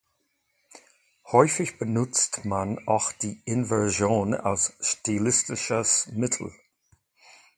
Häufig benutzt man auch die Inversion als stilistisches Mittel.